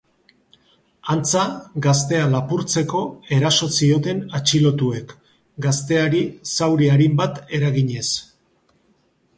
Antza, gaztea lapurtzeko eraso zioten atxilotuek, gazteari zauri arin bat eraginez.